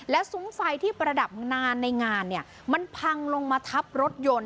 และสูงไฟที่ประดับนานในงานมันพังลงมาทับรถยนต์